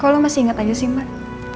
kok lo masih inget aja sih mbak